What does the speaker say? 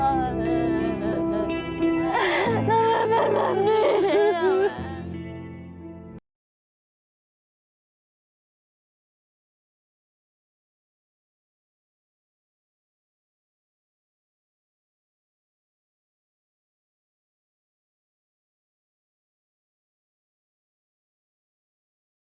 ได้เพื่อนน้ำไปให้ไม่ได้